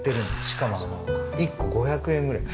しかもあの１個５００円ぐらい。